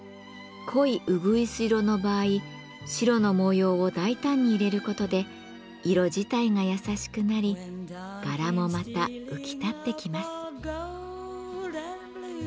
濃いうぐいす色の場合白の模様を大胆に入れることで色自体が優しくなり柄もまた浮き立ってきます。